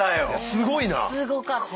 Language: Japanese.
すごかった。